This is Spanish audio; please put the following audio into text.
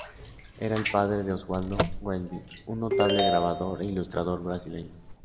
Era el padre de Oswaldo Goeldi, un notable grabador e ilustrador brasileño.